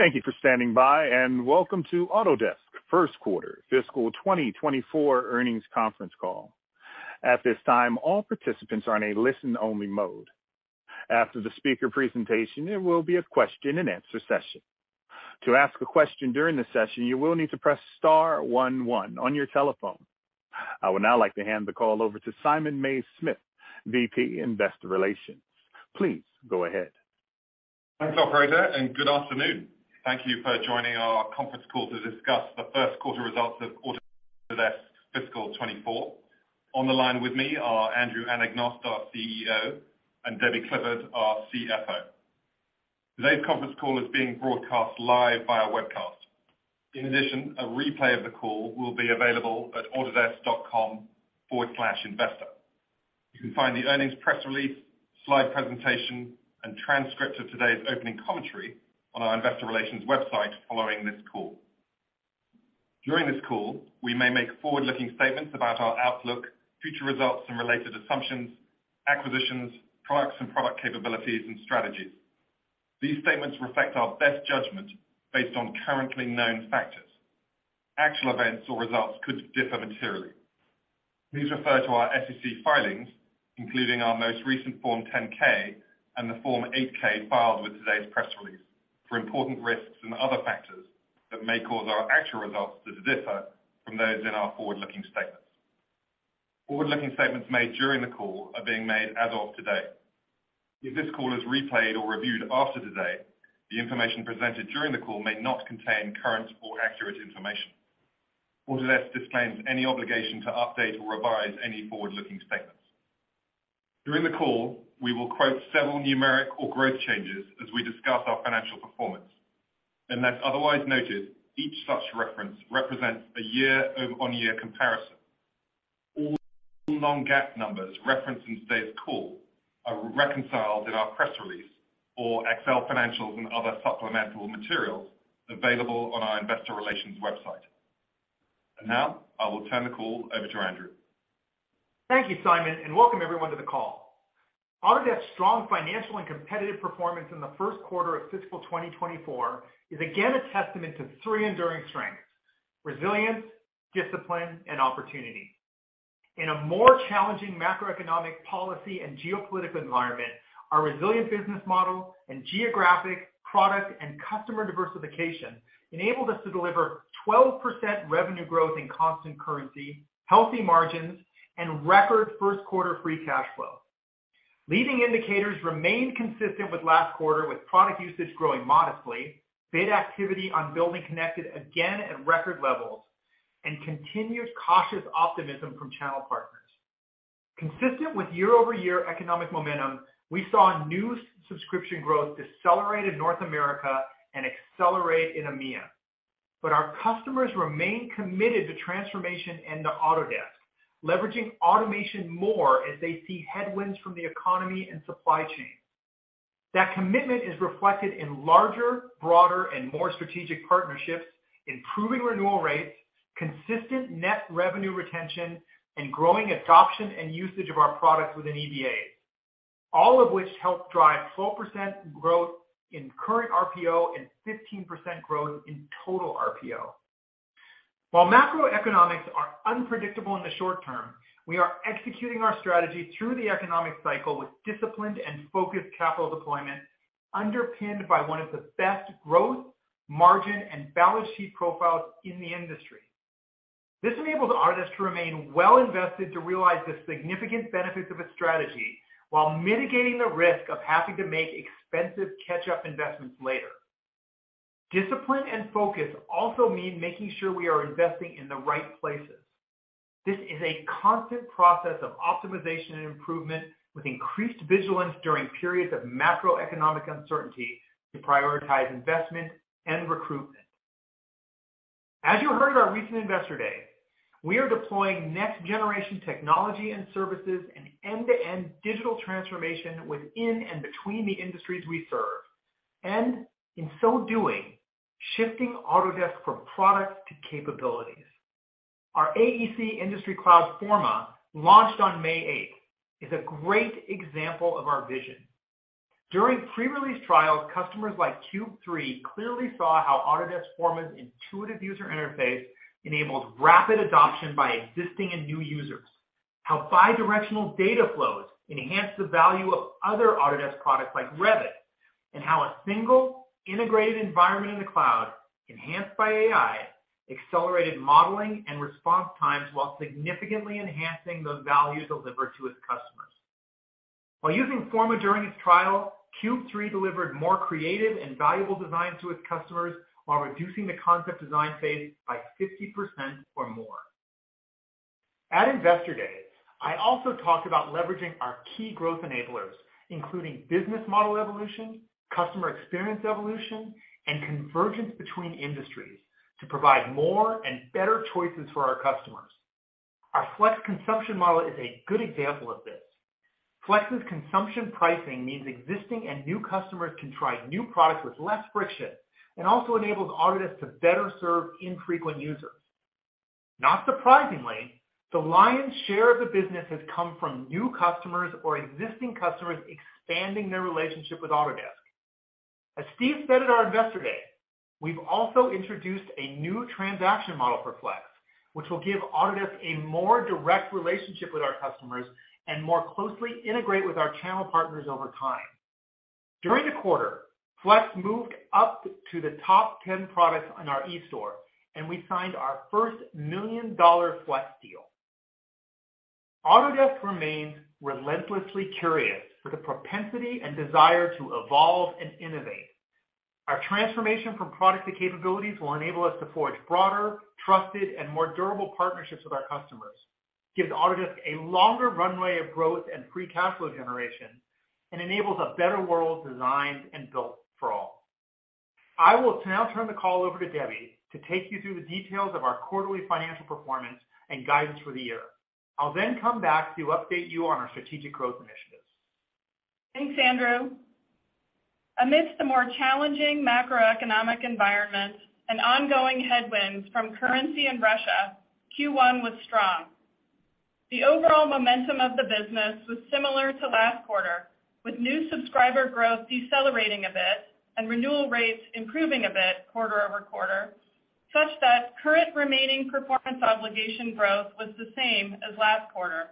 Thank you for standing by, and welcome to Autodesk Q1 Fiscal 2024 Earnings Conference Call. At this time, all participants are on a listen-only mode. After the speaker presentation, there will be a question-and-answer session. To ask a question during the session, you will need to press star one one on your telephone. I would now like to hand the call over to Simon Mays-Smith, VP, Investor Relations. Please go ahead. Thanks, operator. Good afternoon. Thank you for joining our conference call to discuss the Q1 results of Autodesk Fiscal 2024. On the line with me are Andrew Anagnost, our CEO, and Debbie Clifford, our CFO. Today's conference call is being broadcast live via webcast. In addition, a replay of the call will be available at autodesk.com/investor. You can find the earnings press release, slide presentation, and transcript of today's opening commentary on our investor relations website following this call. During this call, we may make forward-looking statements about our outlook, future results and related assumptions, acquisitions, products and product capabilities, and strategies. These statements reflect our best judgment based on currently known factors. Actual events or results could differ materially. Please refer to our SEC filings, including our most recent Form 10-K and the Form 8-K filed with today's press release, for important risks and other factors that may cause our actual results to differ from those in our forward-looking statements. Forward-looking statements made during the call are being made as of today. If this call is replayed or reviewed after today, the information presented during the call may not contain current or accurate information. Autodesk disclaims any obligation to update or revise any forward-looking statements. During the call, we will quote several numeric or growth changes as we discuss our financial performance. Unless otherwise noted, each such reference represents a YoY comparison. All non-GAAP numbers referenced in today's call are reconciled in our press release or Excel financials and other supplemental materials available on our investor relations website. Now, I will turn the call over to Andrew. Thank you, Simon, and welcome everyone to the call. Autodesk's strong financial and competitive performance in the Q1 of fiscal 2024 is again a testament to three enduring strengths: resilience, discipline, and opportunity. In a more challenging macroeconomic policy and geopolitical environment, our resilient business model and geographic, product, and customer diversification enabled us to deliver 12% revenue growth in constant currency, healthy margins, and record Q1 free cash flow. Leading indicators remained consistent with last quarter, with product usage growing modestly, bid activity on BuildingConnected again at record levels, and continued cautious optimism from channel partners. Consistent with YoY economic momentum, we saw new subscription growth decelerate in North America and accelerate in EMEA. Our customers remain committed to transformation and to Autodesk, leveraging automation more as they see headwinds from the economy and supply chain. That commitment is reflected in larger, broader, and more strategic partnerships, improving renewal rates, consistent net revenue retention, and growing adoption and usage of our products within EBAs, all of which helped drive 12% growth in Current RPO and 15% growth in Total RPO. While macroeconomics are unpredictable in the short term, we are executing our strategy through the economic cycle with disciplined and focused capital deployment, underpinned by one of the best growth, margin, and balance sheet profiles in the industry. This enables Autodesk to remain well invested to realize the significant benefits of its strategy while mitigating the risk of having to make expensive catch-up investments later. Discipline and focus also mean making sure we are investing in the right places. This is a constant process of optimization and improvement, with increased vigilance during periods of macroeconomic uncertainty to prioritize investment and recruitment. As you heard at our recent Investor Day, we are deploying next-generation technology and services and end-to-end digital transformation within and between the industries we serve, and in so doing, shifting Autodesk from product to capabilities. Our AEC Industry Cloud Forma, launched on May eighth, is a great example of our vision. During pre-release trials, customers like CUBE 3 clearly saw how Autodesk Forma's intuitive user interface enabled rapid adoption by existing and new users, how bi-directional data flows enhanced the value of other Autodesk products like Revit, and how a single integrated environment in the cloud, enhanced by AI, accelerated modeling and response times while significantly enhancing the value delivered to its customers. While using Forma during its trial, CUBE 3 delivered more creative and valuable designs to its customers while reducing the concept design phase by 50% or more. At Investor Day, I also talked about leveraging our key growth enablers, including business model evolution, customer experience evolution, and convergence between industries, to provide more and better choices for our customers. Our Flex consumption model is a good example of this. Flex's consumption pricing means existing and new customers can try new products with less friction and also enables Autodesk to better serve infrequent users. Not surprisingly, the lion's share of the business has come from new customers or existing customers expanding their relationship with Autodesk. As Steve said at our Investor Day, we've also introduced a new transaction model for Flex, which will give Autodesk a more direct relationship with our customers and more closely integrate with our channel partners over time. During the quarter, Flex moved up to the top 10 products on our eStore, and we signed our first million-dollar Flex deal. Autodesk remains relentlessly curious for the propensity and desire to evolve and innovate. Our transformation from product to capabilities will enable us to forge broader, trusted, and more durable partnerships with our customers, gives Autodesk a longer runway of growth and free cash flow generation, and enables a better world designed and built for all. I will now turn the call over to Debbie to take you through the details of our quarterly financial performance and guidance for the year. I'll then come back to update you on our strategic growth initiatives. Thanks, Andrew. Amidst the more challenging macroeconomic environment and ongoing headwinds from currency in Russia, Q1 was strong. The overall momentum of the business was similar to last quarter, with new subscriber growth decelerating a bit and renewal rates improving a bit QoQ, such that current remaining performance obligation growth was the same as last quarter.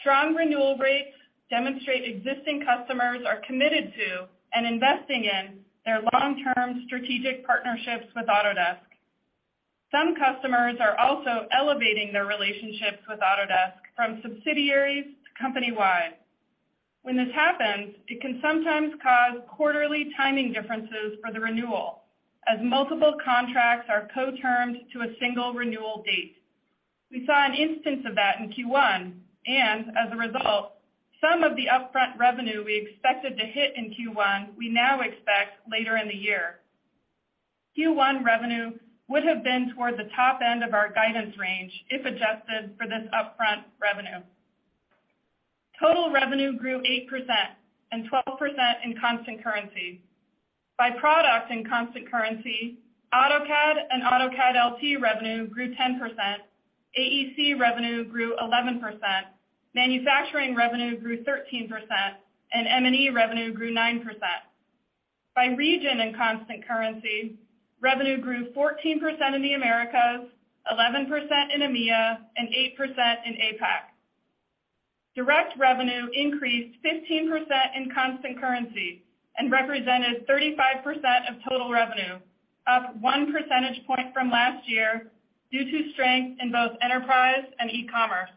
Strong renewal rates demonstrate existing customers are committed to and investing in their long-term strategic partnerships with Autodesk. Some customers are also elevating their relationships with Autodesk from subsidiaries to company-wide. When this happens, it can sometimes cause quarterly timing differences for the renewal, as multiple contracts are co-termed to a single renewal date. We saw an instance of that in Q1. As a result, some of the upfront revenue we expected to hit in Q1, we now expect later in the year. Q1 revenue would have been toward the top end of our guidance range, if adjusted for this upfront revenue. Total revenue grew 8% and 12% in constant currency. By product and constant currency, AutoCAD and AutoCAD LT revenue grew 10%, AEC revenue grew 11%, manufacturing revenue grew 13%, and M&E revenue grew 9%. By region and constant currency, revenue grew 14% in the Americas, 11% in EMEA, and 8% in APAC. Direct revenue increased 15% in constant currency and represented 35% of total revenue, up one percentage point from last year due to strength in both enterprise and e-commerce.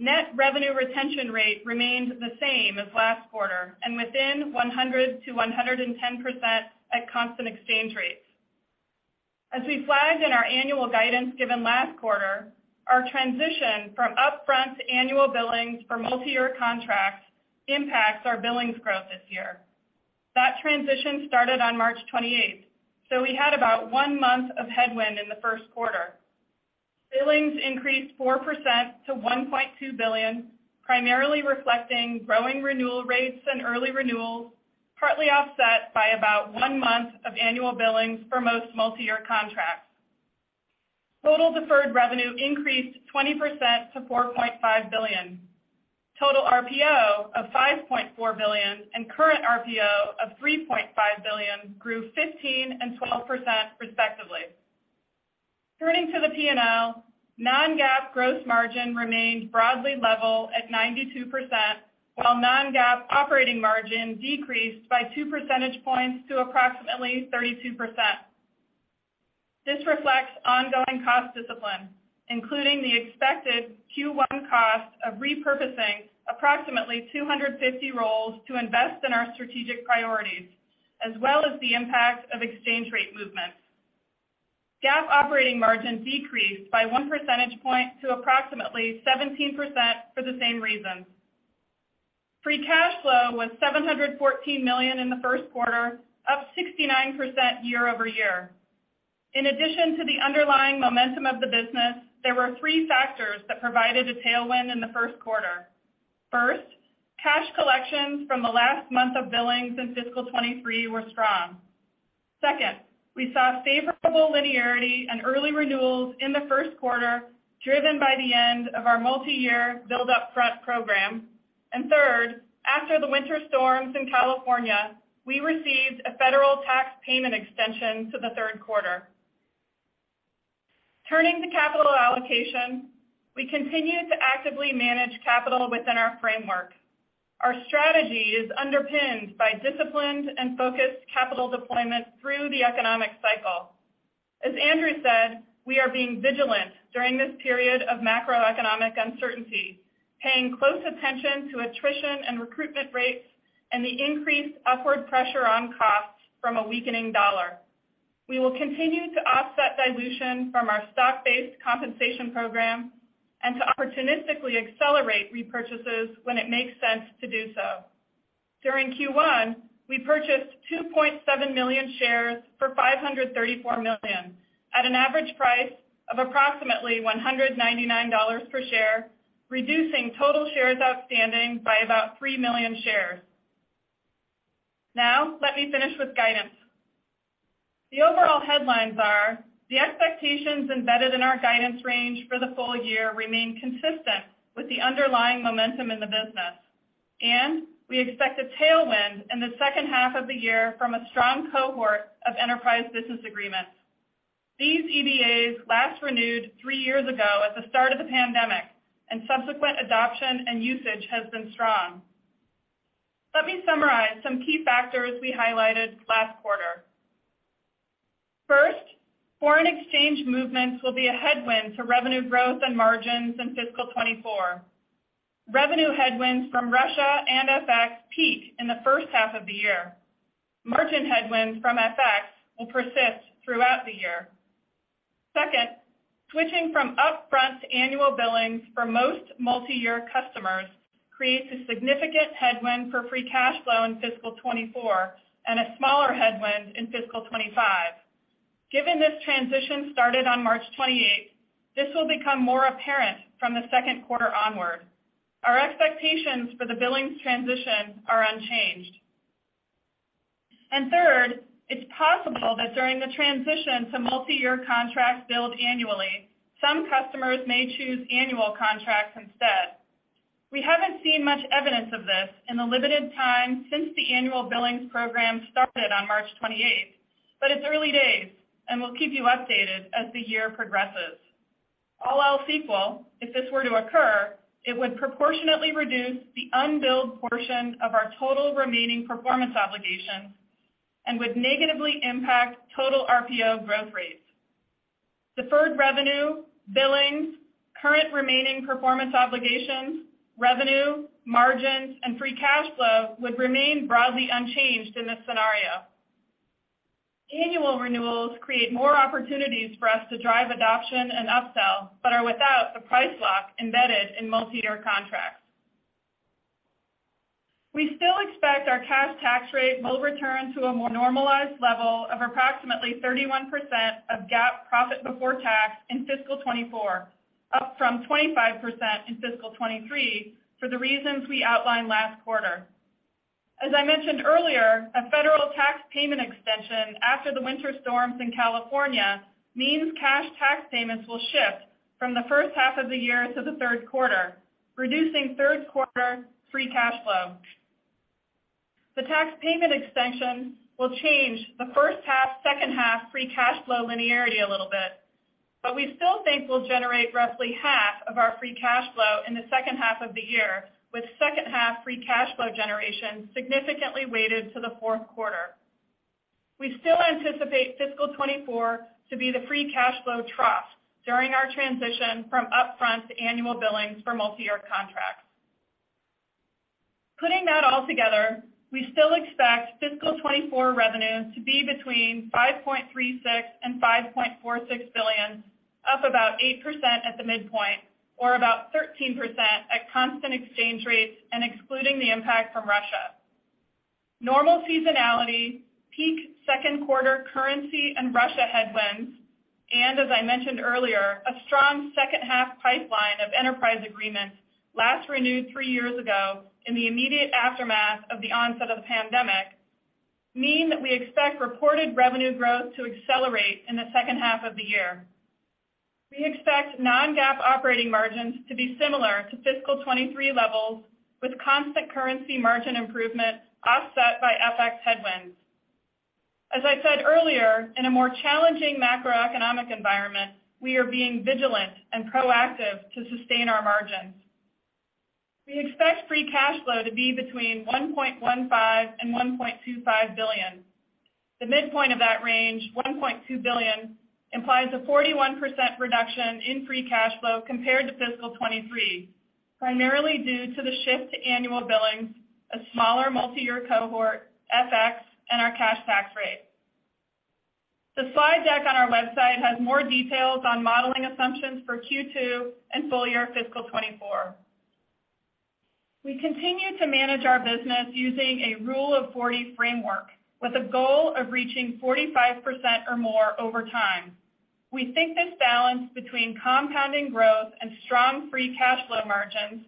Net revenue retention rate remained the same as last quarter and within 100%-110% at constant exchange rates. As we flagged in our annual guidance given last quarter, our transition from upfront to annual billings for multi-year contracts impacts our billings growth this year. That transition started on March 28th, so we had about one month of headwind in the Q1. Billings increased 4% to $1.2 billion, primarily reflecting growing renewal rates and early renewals, partly offset by about one month of annual billings for most multi-year contracts. Total deferred revenue increased 20% to $4.5 billion. Total RPO of $5.4 billion and Current RPO of $3.5 billion grew 15% and 12%, respectively. Turning to the P&L, non-GAAP gross margin remained broadly level at 92%, while non-GAAP operating margin decreased by two percentage points to approximately 32%. This reflects ongoing cost discipline, including the expected Q1 cost of repurposing approximately 250 roles to invest in our strategic priorities, as well as the impact of exchange rate movements. GAAP operating margin decreased by 1 percentage point to approximately 17% for the same reasons. Free cash flow was $714 million in the Q1, up 69% YoY. In addition to the underlying momentum of the business, there were three factors that provided a tailwind in the Q1. First, cash collections from the last month of billings in fiscal 2023 were strong. Second, we saw favorable linearity and early renewals in the Q1, driven by the end of our multi-year build-up front program. Third, after the winter storms in California, we received a federal tax payment extension to the Q3. Turning to capital allocation, we continue to actively manage capital within our framework. Our strategy is underpinned by disciplined and focused capital deployment through the economic cycle. As Andrew said, we are being vigilant during this period of macroeconomic uncertainty, paying close attention to attrition and recruitment rates and the increased upward pressure on costs from a weakening dollar. We will continue to offset dilution from our stock-based compensation program and to opportunistically accelerate repurchases when it makes sense to do so. During Q1, we purchased 2.7 million shares for $534 million at an average price of approximately $199 per share, reducing total shares outstanding by about 3 million shares. Let me finish with guidance. The overall headlines are, the expectations embedded in our guidance range for the full year remain consistent with the underlying momentum in the business, and we expect a tailwind in the second half of the year from a strong cohort of enterprise business agreements. These EBAs last renewed three years ago at the start of the pandemic, and subsequent adoption and usage has been strong. Let me summarize some key factors we highlighted last quarter. First, foreign exchange movements will be a headwind to revenue growth and margins in fiscal 2024. Revenue headwinds from Russia and FX peak in the first half of the year. Margin headwinds from FX will persist throughout the year. Second, switching from upfront to annual billings for most multi-year customers creates a significant headwind for free cash flow in fiscal 2024, and a smaller headwind in fiscal 2025. Given this transition started on March 28, this will become more apparent from the Q2 onward. Our expectations for the billings transition are unchanged. Third, it's possible that during the transition to multi-year contracts billed annually, some customers may choose annual contracts instead. We haven't seen much evidence of this in the limited time since the annual billings program started on March 28, but it's early days, and we'll keep you updated as the year progresses. All else equal, if this were to occur, it would proportionately reduce the unbilled portion of our total remaining performance obligations and would negatively impact Total RPO growth rates. Deferred revenue, billings, current remaining performance obligations, revenue, margins, and free cash flow would remain broadly unchanged in this scenario. Annual renewals create more opportunities for us to drive adoption and upsell, but are without the price lock embedded in multi-year contracts. We still expect our cash tax rate will return to a more normalized level of approximately 31% of GAAP profit before tax in fiscal 2024, up from 25% in fiscal 2023, for the reasons we outlined last quarter. As I mentioned earlier, a federal tax payment extension after the winter storms in California means cash tax payments will shift from the first half of the year to the Q3, reducing Q3 free cash flow. The tax payment extension will change the first half, second half free cash flow linearity a little bit, but we still think we'll generate roughly half of our free cash flow in the second half of the year, with second half free cash flow generation significantly weighted to the Q4. We still anticipate fiscal 2024 to be the free cash flow trough during our transition from upfront to annual billings for multi-year contracts. Putting that all together, we still expect fiscal 2024 revenues to be between $5.36 billion and $5.46 billion, up about 8% at the midpoint, or about 13% at constant exchange rates and excluding the impact from Russia. Normal seasonality, peak Q2 currency and Russia headwinds, and as I mentioned earlier, a strong second half pipeline of enterprise agreements last renewed three years ago in the immediate aftermath of the onset of the pandemic, mean that we expect reported revenue growth to accelerate in the second half of the year. We expect non-GAAP operating margins to be similar to fiscal 2023 levels, with constant currency margin improvement offset by FX headwinds. As I said earlier, in a more challenging macroeconomic environment, we are being vigilant and proactive to sustain our margins. We expect free cash flow to be between $1.15 billion and $1.25 billion. The midpoint of that range, $1.2 billion, implies a 41% reduction in free cash flow compared to fiscal 2023, primarily due to the shift to annual billings, a smaller multi-year cohort, FX, and our cash tax rate. The slide deck on our website has more details on modeling assumptions for Q2 and full year fiscal 2024. We continue to manage our business using a Rule of 40 framework, with a goal of reaching 45% or more over time. We think this balance between compounding growth and strong free cash flow margins,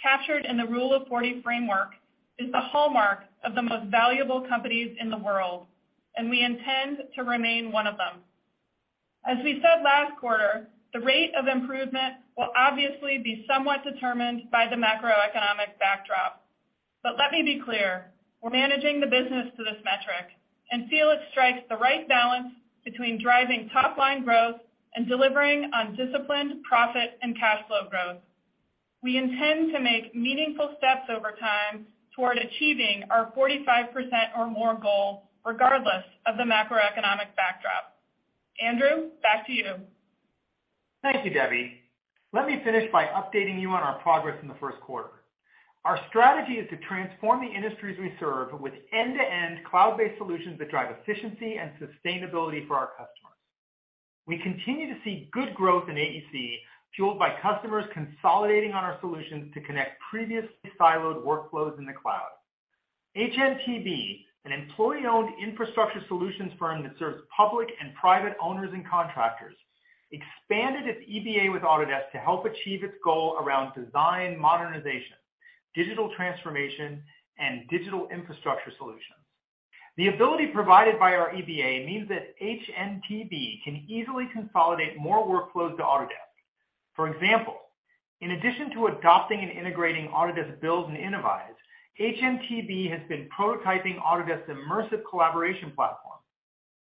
captured in the Rule of 40 framework, is the hallmark of the most valuable companies in the world. We intend to remain one of them. As we said last quarter, the rate of improvement will obviously be somewhat determined by the macroeconomic backdrop. Let me be clear, we're managing the business to this metric and feel it strikes the right balance between driving top-line growth and delivering on disciplined profit and cash flow growth. We intend to make meaningful steps over time toward achieving our 45% or more goal, regardless of the macroeconomic backdrop. Andrew, back to you. Thank you, Debbie. Let me finish by updating you on our progress in the Q1. Our strategy is to transform the industries we serve with end-to-end cloud-based solutions that drive efficiency and sustainability for our customers. We continue to see good growth in AEC, fueled by customers consolidating on our solutions to connect previously siloed workflows in the cloud. HNTB, an employee-owned infrastructure solutions firm that serves public and private owners and contractors, expanded its EBA with Autodesk to help achieve its goal around design modernization, digital transformation, and digital infrastructure solutions. The ability provided by our EBA means that HNTB can easily consolidate more workflows to Autodesk. For example, in addition to adopting and integrating Autodesk Build and Innovyze, HNTB has been prototyping Autodesk Immersive Collaboration Platform.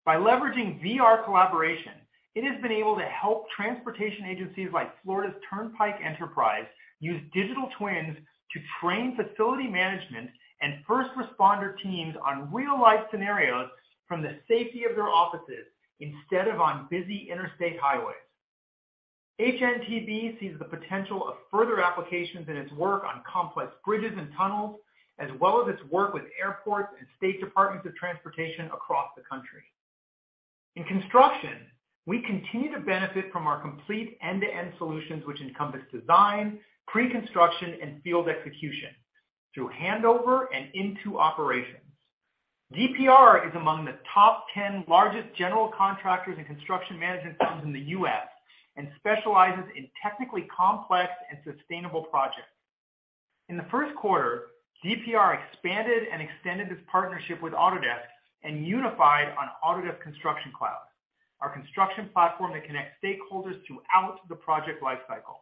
By leveraging VR collaboration, it has been able to help transportation agencies like Florida's Turnpike Enterprise use digital twins to train facility management and first responder teams on real-life scenarios from the safety of their offices instead of on busy interstate highways. HNTB sees the potential of further applications in its work on complex bridges and tunnels, as well as its work with airports and state departments of transportation across the country. In construction, we continue to benefit from our complete end-to-end solutions, which encompass design, pre-construction, and field execution through handover and into operations. DPR is among the top 10 largest general contractors and construction management firms in the U.S. and specializes in technically complex and sustainable projects. In the Q1, DPR expanded and extended its partnership with Autodesk and unified on Autodesk Construction Cloud, our construction platform that connects stakeholders throughout the project life cycle.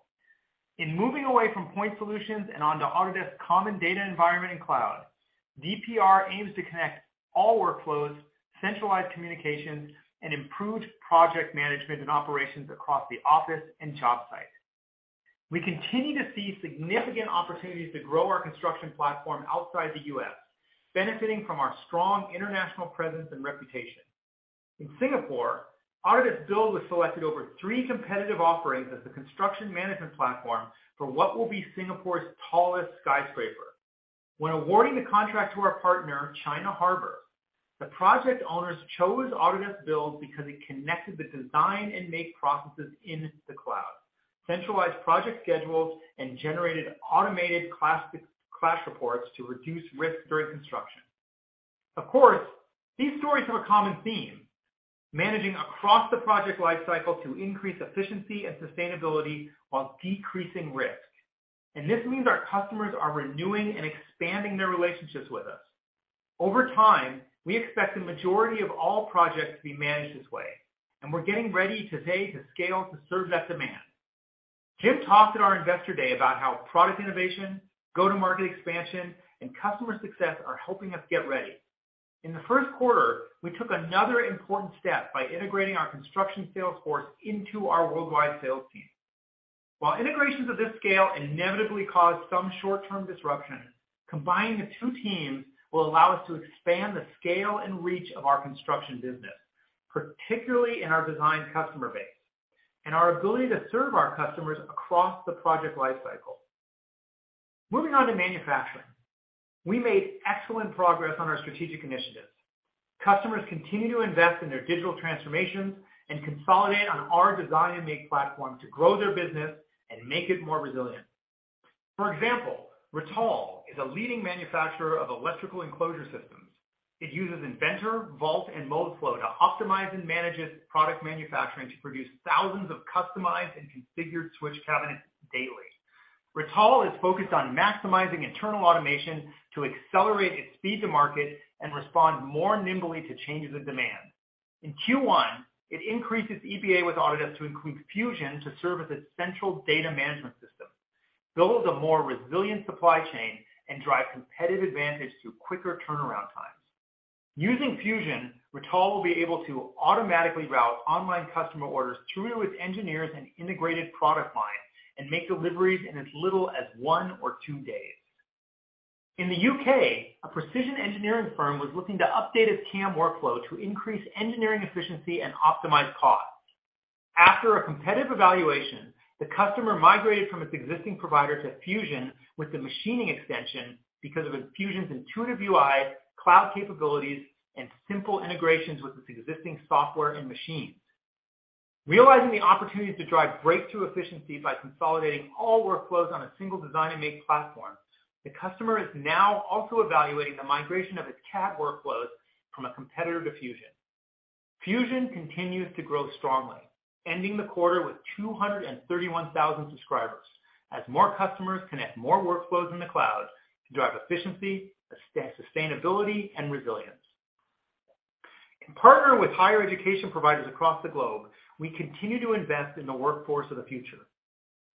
In moving away from point solutions and onto Autodesk Common Data Environment and Cloud, DPR aims to connect all workflows, centralize communications, and improve project management and operations across the office and job site. We continue to see significant opportunities to grow our construction platform outside the U.S., benefiting from our strong international presence and reputation. In Singapore, Autodesk Build was selected over three competitive offerings as the construction management platform for what will be Singapore's tallest skyscraper. When awarding the contract to our partner, China Harbour, the project owners chose Autodesk Build because it connected the design and make processes in the cloud, centralized project schedules, and generated automated clash reports to reduce risk during construction. Of course, these stories have a common theme, managing across the project life cycle to increase efficiency and sustainability while decreasing risk, and this means our customers are renewing and expanding their relationships with us. Over time, we expect the majority of all projects to be managed this way, and we're getting ready today to scale to serve that demand. Jim talked at our Investor Day about how product innovation, go-to-market expansion, and customer success are helping us get ready. In the Q1, we took another important step by integrating our construction sales force into our worldwide sales team. While integrations of this scale inevitably cause some short-term disruption, combining the two teams will allow us to expand the scale and reach of our construction business, particularly in our design customer base, and our ability to serve our customers across the project life cycle. Moving on to manufacturing. We made excellent progress on our strategic initiatives. Customers continue to invest in their digital transformations and consolidate on our design and make platform to grow their business and make it more resilient. For example, Rittal is a leading manufacturer of electrical enclosure systems. It uses Inventor, Vault, and Moldflow to optimize and manage its product manufacturing to produce thousands of customized and configured switch cabinets daily. Rittal is focused on maximizing internal automation to accelerate its speed to market and respond more nimbly to changes in demand. In Q1, it increased its EBA with Autodesk to include Fusion to serve as its central data management system, build a more resilient supply chain, and drive competitive advantage through quicker turnaround times. Using Fusion, Rittal will be able to automatically route online customer orders through its engineers and integrated product line and make deliveries in as little as one or two days. In the U.K., a precision engineering firm was looking to update its CAM workflow to increase engineering efficiency and optimize costs. After a competitive evaluation, the customer migrated from its existing provider to Fusion with the Machining Extension because of its Fusion's intuitive UI, cloud capabilities, and simple integrations with its existing software and machines. Realizing the opportunity to drive breakthrough efficiency by consolidating all workflows on a single design and make platform, the customer is now also evaluating the migration of its CAD workflows from a competitor to Fusion. Fusion continues to grow strongly, ending the quarter with 231,000 subscribers. As more customers connect more workflows in the cloud to drive efficiency, sustainability, and resilience. In partner with higher education providers across the globe, we continue to invest in the workforce of the future.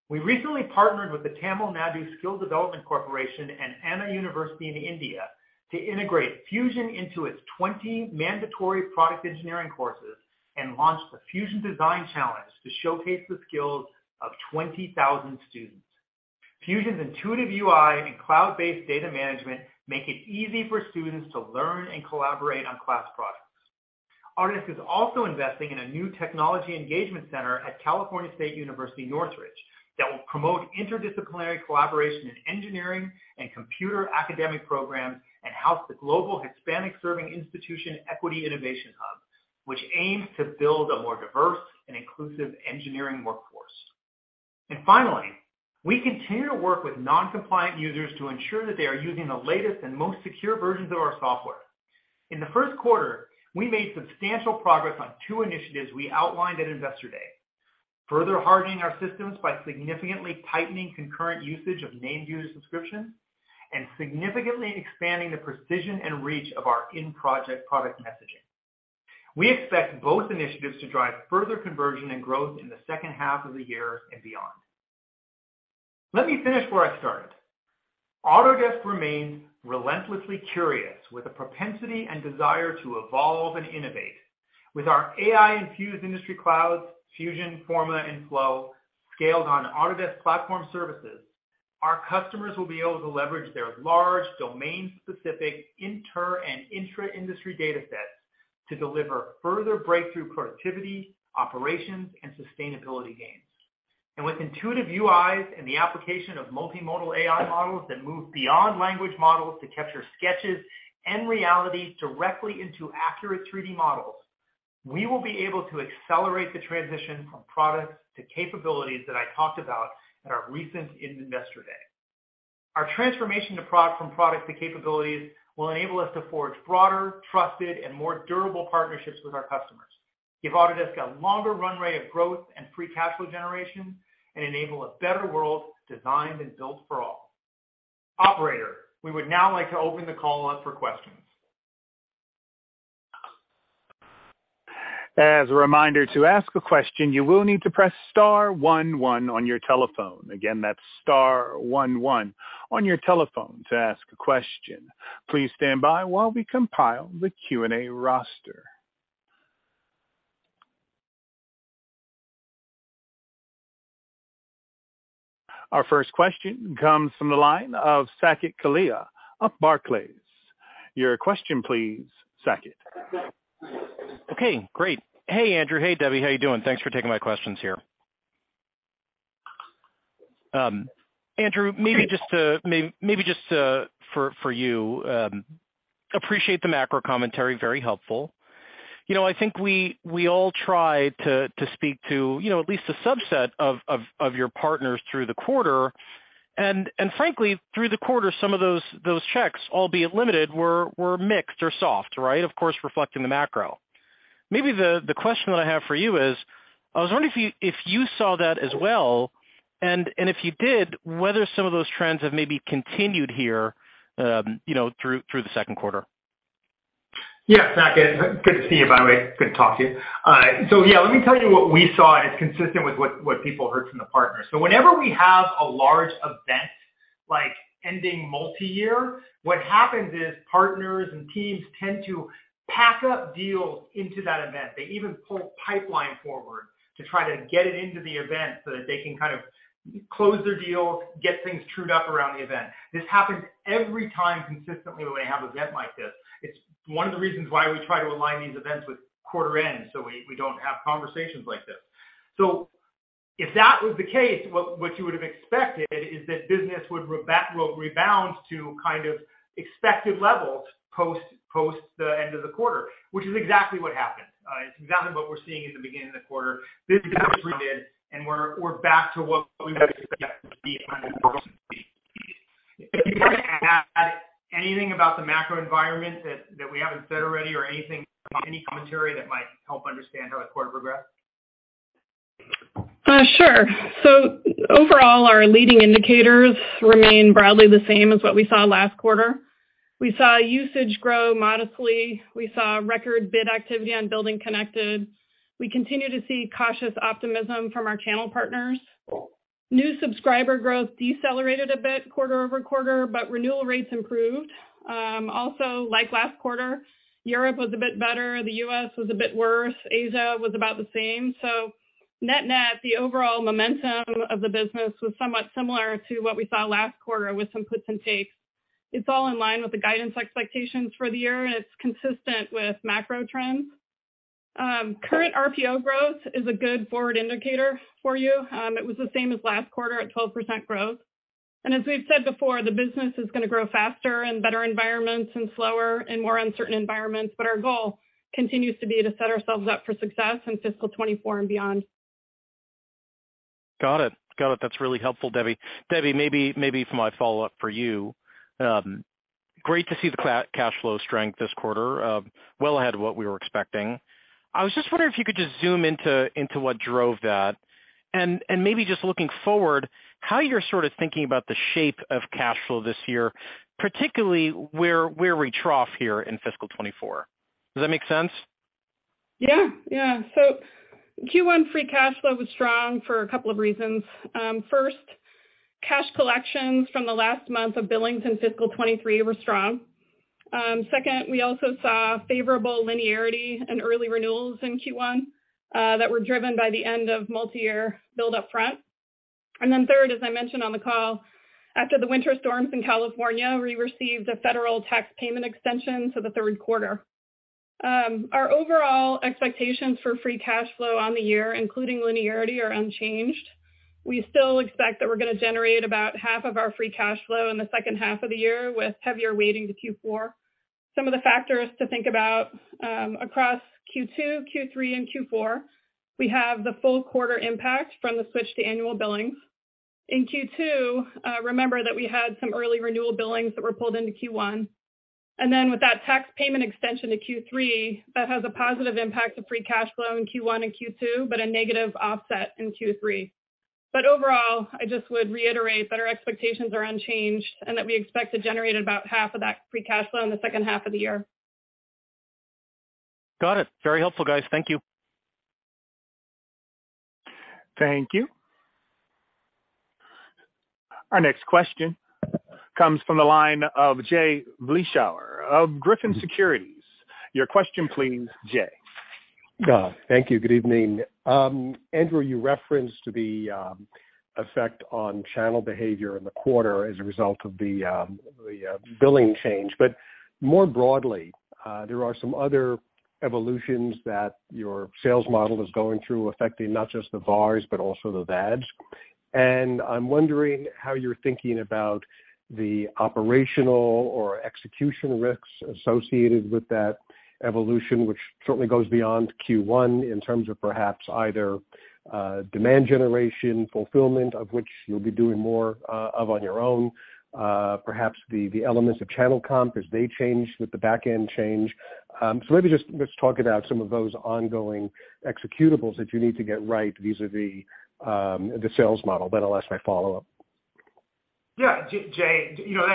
We recently partnered with the Tamil Nadu Skill Development Corporation and Anna University in India to integrate Fusion into its 20 mandatory product engineering courses and launched the Fusion Design Challenge to showcase the skills of 20,000 students. Fusion's intuitive UI and cloud-based data management make it easy for students to learn and collaborate on class projects. Autodesk is also investing in a new technology engagement center at California State University, Northridge, that will promote interdisciplinary collaboration in engineering and computer academic programs, and house the Global Hispanic Serving Institution Equity Innovation Hub, which aims to build a more diverse and inclusive engineering workforce. Finally, we continue to work with non-compliant users to ensure that they are using the latest and most secure versions of our software. In the Q1, we made substantial progress on two initiatives we outlined at Investor Day. Further hardening our systems by significantly tightening concurrent usage of named user subscriptions, and significantly expanding the precision and reach of our in-project product messaging. We expect both initiatives to drive further conversion and growth in the second half of the year and beyond. Let me finish where I started. Autodesk remains relentlessly curious, with a propensity and desire to evolve and innovate. With our AI-infused industry clouds, Fusion, Forma, and Flow, scaled on Autodesk Platform Services, our customers will be able to leverage their large, domain-specific inter- and intra-industry data sets to deliver further breakthrough productivity, operations, and sustainability gains. With intuitive UIs and the application of multimodal AI models that move beyond language models to capture sketches and reality directly into accurate 3D models, we will be able to accelerate the transition from products to capabilities that I talked about at our recent Investor Day. Our transformation from product to capabilities will enable us to forge broader, trusted, and more durable partnerships with our customers, give Autodesk a longer runway of growth and free cash flow generation, and enable a better world designed and built for all. Operator, we would now like to open the call up for questions. As a reminder, to ask a question, you will need to press star one one on your telephone. Again, that's star one one on your telephone to ask a question. Please stand by while we compile the Q&A roster. Our first question comes from the line of Saket Kalia of Barclays. Your question please, Saket. Okay, great. Hey, Andrew. Hey, Debbie, how are you doing? Thanks for taking my questions here. Andrew, maybe just for you, appreciate the macro commentary. Very helpful. You know, I think we all try to speak to, you know, at least a subset of your partners through the quarter, and frankly, through the quarter, some of those checks, albeit limited, were mixed or soft, right? Of course, reflecting the macro. Maybe the question that I have for you is, I was wondering if you saw that as well, and if you did, whether some of those trends have maybe continued here, you know, through the Q2. Saket. Good to see you, by the way. Good to talk to you. Yeah, let me tell you what we saw as consistent with what people heard from the partners. Whenever we have a large event, like ending multi-year, what happens is partners and teams tend to pack up deals into that event. They even pull pipeline forward to try to get it into the event so that they can kind of close their deal, get things trued up around the event. This happens every time consistently when we have an event like this. It's one of the reasons why we try to align these events with quarter end, so we don't have conversations like this. If that was the case, what you would have expected is that business will rebound to kind of expected levels post the end of the quarter, which is exactly what happened. It's exactly what we're seeing at the beginning of the quarter. This is rounded, and we're back to what we would expect to see on this. If you want to add anything about the macro environment that we haven't said already or anything, any commentary that might help understand how the quarter progressed? Sure. Overall, our leading indicators remain broadly the same as what we saw last quarter. We saw usage grow modestly. We saw record bid activity on BuildingConnected. We continue to see cautious optimism from our channel partners. New subscriber growth decelerated a bit QoQ, but renewal rates improved. Also, like last quarter, Europe was a bit better, the U.S. was a bit worse, Asia was about the same. Net-net, the overall momentum of the business was somewhat similar to what we saw last quarter with some puts and takes. It's all in line with the guidance expectations for the year, and it's consistent with macro trends. Current RPO growth is a good forward indicator for you. It was the same as last quarter at 12% growth. As we've said before, the business is going to grow faster in better environments and slower in more uncertain environments, but our goal continues to be to set ourselves up for success in fiscal 2024 and beyond. Got it. Got it. That's really helpful, Debbie. Debbie, maybe for my follow-up for you. great to see the cash flow strength this quarter, well ahead of what we were expecting. I was just wondering if you could just zoom into what drove that, and maybe just looking forward, how you're sort of thinking about the shape of cash flow this year, particularly where we trough here in fiscal 2024. Does that make sense? Yeah. Q1 free cash flow was strong for a couple of reasons. First, cash collections from the last month of billings in fiscal 2023 were strong. Second, we also saw favorable linearity and early renewals in Q1, that were driven by the end of multi-year build upfront. Third, as I mentioned on the call, after the winter storms in California, we received a federal tax payment extension for the Q3. Our overall expectations for free cash flow on the year, including linearity, are unchanged. We still expect that we're going to generate about half of our free cash flow in the second half of the year, with heavier weighting to Q4. Some of the factors to think about, across Q2, Q3, and Q4, we have the full quarter impact from the switch to annual billings. In Q2, remember that we had some early renewal billings that were pulled into Q1, with that tax payment extension to Q3, that has a positive impact to free cash flow in Q1 and Q2, but a negative offset in Q3. Overall, I just would reiterate that our expectations are unchanged and that we expect to generate about half of that free cash flow in the second half of the year. Got it. Very helpful, guys. Thank you. Thank you. Our next question comes from the line of Jay Vleeschhouwer of Griffin Securities. Your question, please, Jay. Thank you. Good evening. Andrew, you referenced the effect on channel behavior in the quarter as a result of the billing change. More broadly, there are some other evolutions that your sales model is going through, affecting not just the VARs, but also the VADs. I'm wondering how you're thinking about the operational or execution risks associated with that evolution, which certainly goes beyond Q1 in terms of perhaps either demand generation, fulfillment, of which you'll be doing more of on your own, perhaps the elements of channel comp as they change with the back end change. Maybe just let's talk about some of those ongoing executables that you need to get right. These are the sales model. I'll ask my follow-up. Yeah, Jay, you know,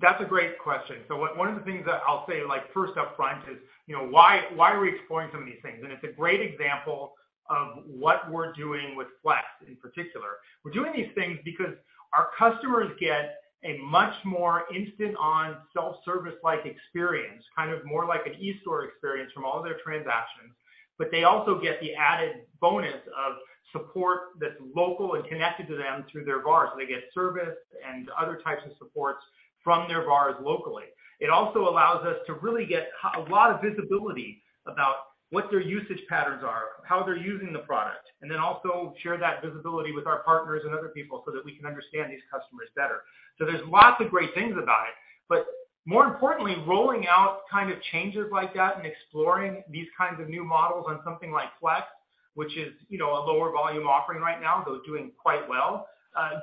that's a great question. One of the things that I'll say, like, first up front is, you know, why are we exploring some of these things? It's a great example of what we're doing with Flex in particular. We're doing these things because our customers get a much more instant-on, self-service-like experience, kind of more like an eStore experience from all their transactions, but they also get the added bonus of support that's local and connected to them through their VARs. They get service and other types of supports from their VARs locally. It also allows us to really get a lot of visibility about what their usage patterns are, how they're using the product, and then also share that visibility with our partners and other people so that we can understand these customers better. There's lots of great things about it. More importantly, rolling out kind of changes like that and exploring these kinds of new models on something like Flex, which is, you know, a lower volume offering right now, though doing quite well,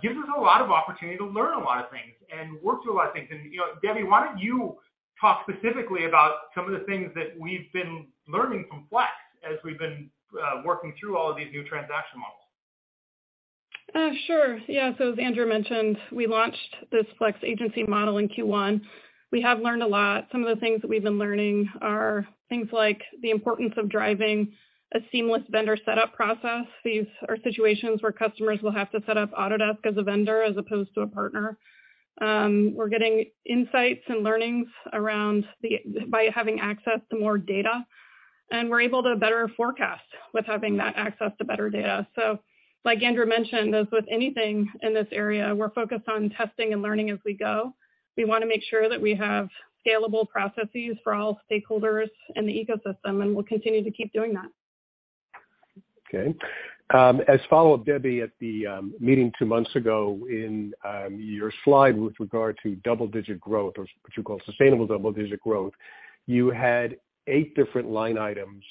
gives us a lot of opportunity to learn a lot of things and work through a lot of things. You know, Debbie, why don't you talk specifically about some of the things that we've been learning from Flex as we've been working through all of these new transaction models? Sure. As Andrew mentioned, we launched this Flex agency model in Q1. We have learned a lot. Some of the things that we've been learning are things like the importance of driving a seamless vendor setup process. These are situations where customers will have to set up Autodesk as a vendor as opposed to a partner. We're getting insights and learnings by having access to more data, and we're able to better forecast with having that access to better data. Like Andrew mentioned, as with anything in this area, we're focused on testing and learning as we go. We wanna make sure that we have scalable processes for all stakeholders in the ecosystem, and we'll continue to keep doing that. Okay. As a follow-up, Debbie, at the meeting two months ago, in your slide with regard to double-digit growth or what you call sustainable double-digit growth, you had eight different line items,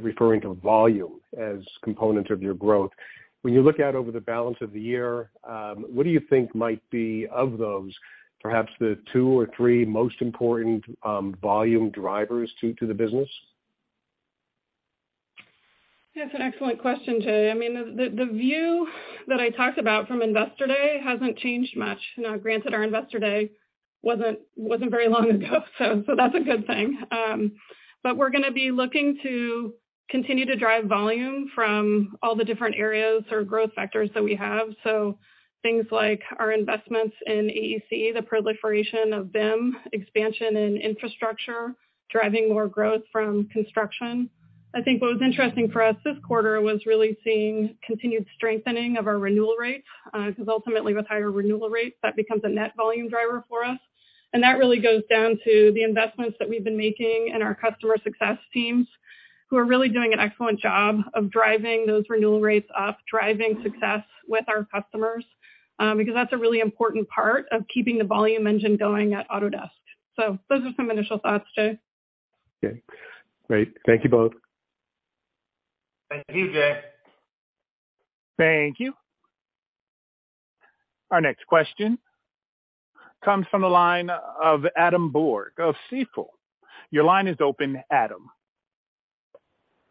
referring to volume as component of your growth. When you look out over the balance of the year, what do you think might be, of those, perhaps the two or three most important, volume drivers to the business? That's an excellent question, Jay. I mean, the view that I talked about from Investor Day hasn't changed much. Granted, our Investor Day wasn't very long ago, so that's a good thing. We're gonna be looking to continue to drive volume from all the different areas or growth vectors that we have. Things like our investments in AEC, the proliferation of BIM, expansion in infrastructure, driving more growth from construction. I think what was interesting for us this quarter was really seeing continued strengthening of our renewal rates, because ultimately, with higher renewal rates, that becomes a net volume driver for us. That really goes down to the investments that we've been making in our customer success teams, who are really doing an excellent job of driving those renewal rates up, driving success with our customers, because that's a really important part of keeping the volume engine going at Autodesk. Those are some initial thoughts, Jay. Okay, great. Thank you both. Thank you, Jay. Thank you. Our next question comes from the line of Adam Borg of Stifel. Your line is open, Adam.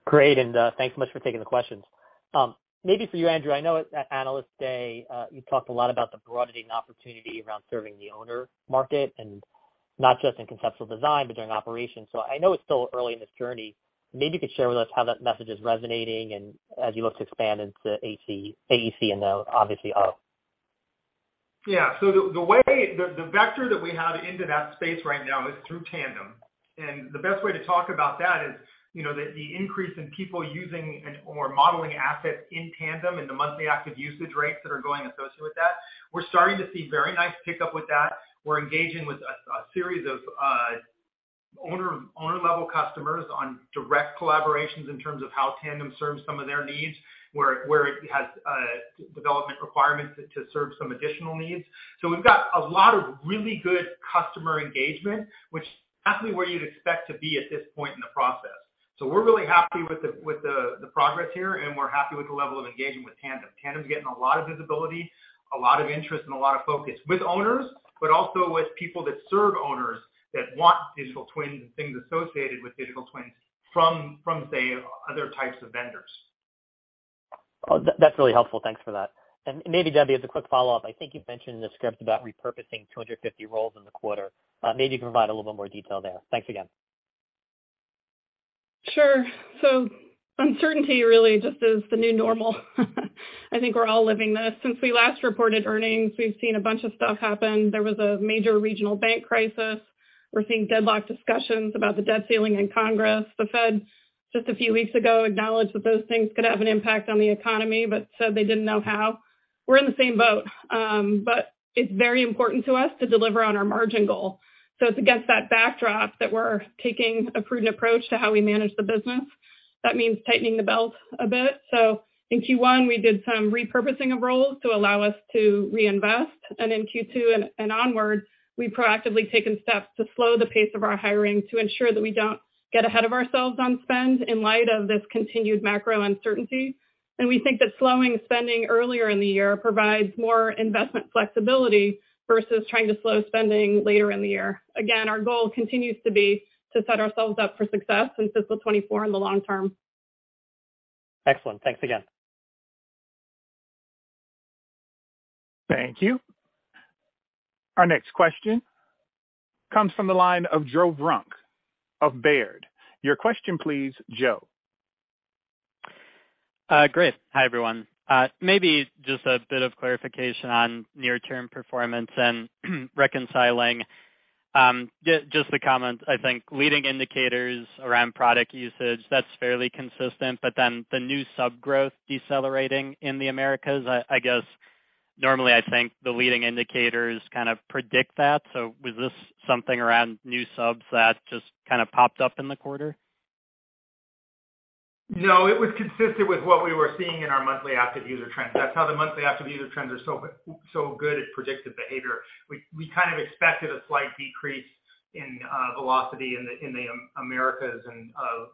Great, thanks so much for taking the questions. For you, Andrew, I know at Analyst Day, you talked a lot about the broadening opportunity around serving the owner market and not just in conceptual design, but during operation. I know it's still early in this journey. You could share with us how that message is resonating and as you look to expand into AEC and now obviously R. Yeah. The way the vector that we have into that space right now is through Tandem. The best way to talk about that is, you know, the increase in people using and/or modeling assets in Tandem and the monthly active usage rates that are going associated with that. We're starting to see very nice pickup with that. We're engaging with a series of owner-level customers on direct collaborations in terms of how Tandem serves some of their needs, where it has development requirements to serve some additional needs. We've got a lot of really good customer engagement, which is exactly where you'd expect to be at this point in the process. We're really happy with the progress here, and we're happy with the level of engagement with Tandem. Tandem is getting a lot of visibility, a lot of interest, and a lot of focus with owners, but also with people that serve owners that want digital twins and things associated with digital twins from, say, other types of vendors. That's really helpful. Thanks for that. Maybe, Debbie, as a quick follow-up, I think you've mentioned in the script about repurposing 250 roles in the quarter. Maybe you can provide a little bit more detail there. Thanks again. Sure. Uncertainty really just is the new normal. I think we're all living this. Since we last reported earnings, we've seen a bunch of stuff happen. There was a major regional bank crisis. We're seeing deadlock discussions about the debt ceiling in Congress. The Fed, just a few weeks ago, acknowledged that those things could have an impact on the economy, but said they didn't know how. We're in the same boat. It's very important to us to deliver on our margin goal. It's against that backdrop that we're taking a prudent approach to how we manage the business. That means tightening the belt a bit. In Q1, we did some repurposing of roles to allow us to reinvest, and in Q2 and onwards, we've proactively taken steps to slow the pace of our hiring to ensure that we don't get ahead of ourselves on spend in light of this continued macro uncertainty. We think that slowing spending earlier in the year provides more investment flexibility versus trying to slow spending later in the year. Our goal continues to be to set ourselves up for success in fiscal 24 in the long term. Excellent. Thanks again. Thank you. Our next question comes from the line of Joe Vruwink of Baird. Your question, please, Joe. Great. Hi, everyone. Maybe just a bit of clarification on near-term performance and reconciling. The comment, I think leading indicators around product usage, that's fairly consistent, but then the new sub growth decelerating in the Americas, I guess, normally, I think the leading indicators kind of predict that. Was this something around new subs that just kind of popped up in the quarter? No, it was consistent with what we were seeing in our monthly active user trends. That's how the monthly active user trends are so good at predictive behavior. We kind of expected a slight decrease in velocity in the Americas and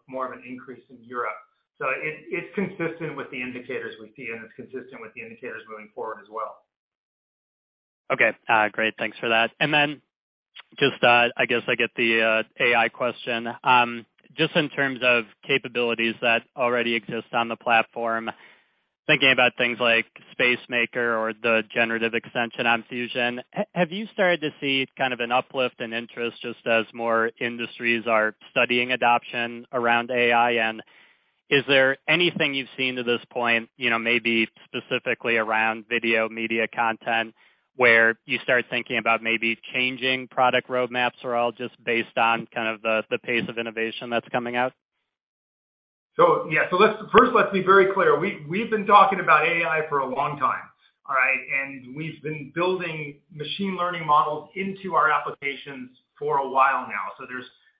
more of an increase in Europe. It's consistent with the indicators we see, and it's consistent with the indicators moving forward as well. Okay, great, thanks for that. Just, I guess I get the AI question. Just in terms of capabilities that already exist on the platform, thinking about things like Spacemaker or the generative extension on Fusion, have you started to see kind of an uplift in interest just as more industries are studying adoption around AI? Is there anything you've seen to this point, you know, maybe specifically around video media content, where you start thinking about maybe changing product roadmaps or all just based on kind of the pace of innovation that's coming out? Yeah. Let's First, let's be very clear. We've been talking about AI for a long time, all right? We've been building machine learning models into our applications for a while now.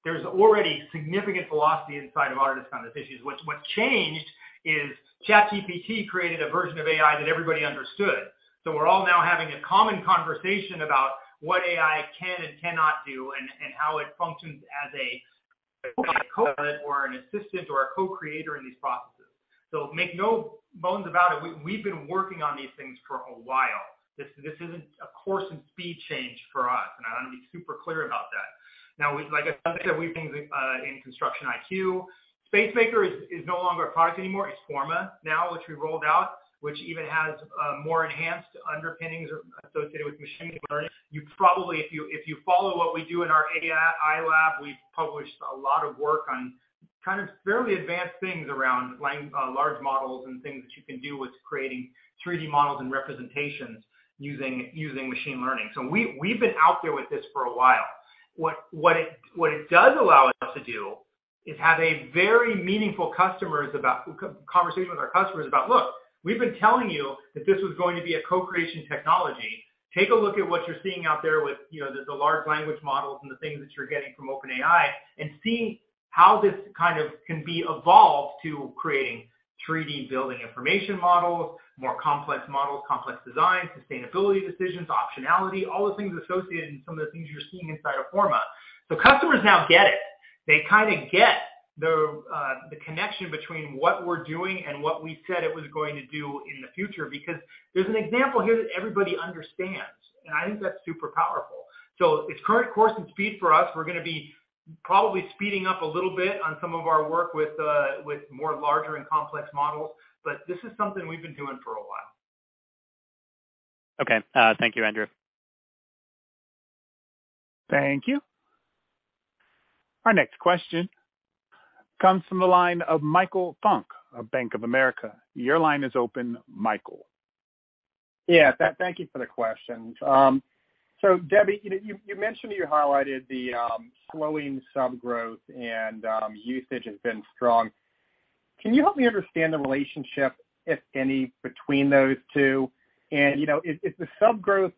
There's already significant velocity inside of Autodesk on this issue. What changed is ChatGPT created a version of AI that everybody understood. We're all now having a common conversation about what AI can and cannot do and how it functions as an assistant or a co-creator in these processes. Make no bones about it, we've been working on these things for a while. This isn't a course and speed change for us, and I want to be super clear about that. Like I said, we've things in Construction IQ. Spacemaker is no longer a product anymore. It's Forma now, which we rolled out, which even has more enhanced underpinnings associated with machine learning. You probably, if you follow what we do in our AI lab, we've published a lot of work on kind of fairly advanced things around large models and things that you can do with creating 3D models and representations using machine learning. We've been out there with this for a while. What it does allow us to do is have a very meaningful conversation with our customers about, "Look, we've been telling you that this was going to be a co-creation technology. Take a look at what you're seeing out there with, you know, the large language models and the things that you're getting from OpenAI, and see how this kind of can be evolved to creating 3D building information models, more complex models, complex designs, sustainability decisions, optionality, all the things associated, and some of the things you're seeing inside of Forma. Customers now get it. They kinda get the connection between what we're doing and what we said it was going to do in the future, because there's an example here that everybody understands, and I think that's super powerful. It's current course and speed for us. We're gonna be probably speeding up a little bit on some of our work with more larger and complex models, but this is something we've been doing for a while. Okay. thank you, Andrew. Thank you. Our next question comes from the line of Michael Funk of Bank of America. Your line is open, Michael. Yeah, thank you for the questions. Debbie, you know, you mentioned you highlighted the slowing sub growth and usage has been strong. Can you help me understand the relationship, if any, between those two? you know, is the sub growth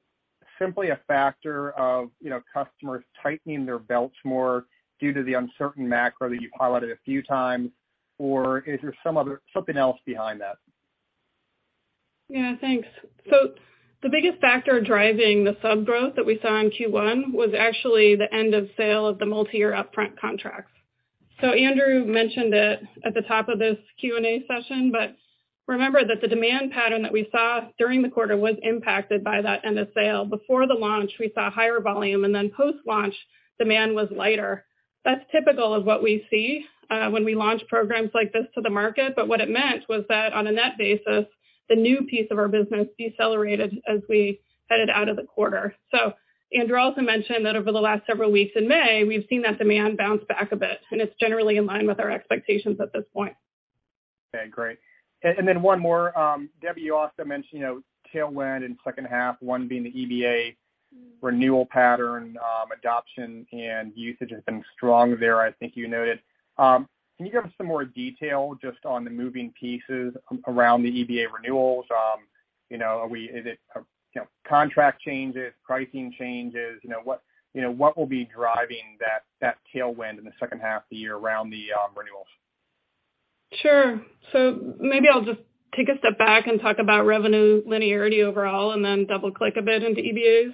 simply a factor of, you know, customers tightening their belts more due to the uncertain macro that you've highlighted a few times, or is there something else behind that? Yeah, thanks. The biggest factor driving the sub growth that we saw in Q1 was actually the end of sale of the multi-year upfront contracts. Andrew mentioned it at the top of this Q&A session, but remember that the demand pattern that we saw during the quarter was impacted by that end of sale. Before the launch, we saw higher volume, and then post-launch, demand was lighter. That's typical of what we see when we launch programs like this to the market. What it meant was that on a net basis, the new piece of our business decelerated as we headed out of the quarter. Andrew also mentioned that over the last several weeks in May, we've seen that demand bounce back a bit, and it's generally in line with our expectations at this point. Okay, great. Then one more. Debbie, you also mentioned, you know, tailwind in second half, one being the EBA renewal pattern, adoption, and usage has been strong there, I think you noted. Can you give us some more detail just on the moving pieces around the EBA renewals? You know, is it, you know, contract changes, pricing changes? You know, what will be driving that tailwind in the second half of the year around the renewals? Sure. Maybe I'll just take a step back and talk about revenue linearity overall, then double-click a bit into EBAs.